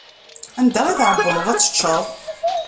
Anda i tɛewwleḍ ad teččeḍ?